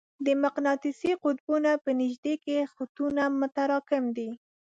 د مقناطیسي قطبونو په نژدې کې خطونه متراکم دي.